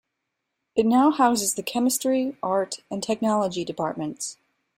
It now houses the Chemistry, Art and Technology departments.